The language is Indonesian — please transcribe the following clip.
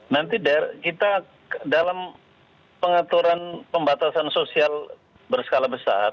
nanti der kita dalam pengaturan pembatasan sosial berskala besar